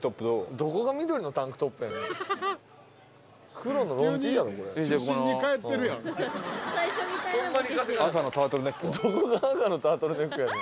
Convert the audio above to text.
どこが赤のタートルネックやねん。